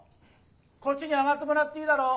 こっちに上がってもらっていいだろう？